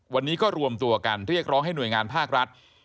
วันนี้ก็รวมตัวกันเรียกร้องให้หน่วยงานภาครัฐ